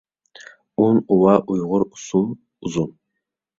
ئۇن، ئۇۋا، ئۇيغۇر، ئۇسسۇل، ئۇزۇن.